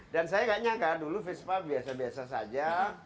dan saya kayaknya kan dulu vespa biasa biasa saja